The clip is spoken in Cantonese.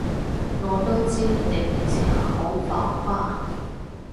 我都知你哋平時都好浮誇